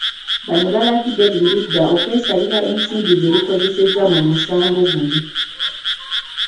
Bano balagidde buli ludda okwesasulira ensimbi ze lukozesezza mu musango guno.